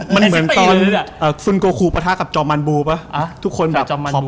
มันเหมือนซูนโกโคปุปธักรมาจับมันบูปะ